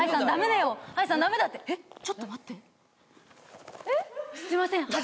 ダメだってえっちょっと待ってすいません